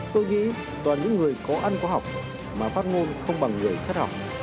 tôi nghĩ toàn những người có ăn có học mà phát ngôn không bằng người thất học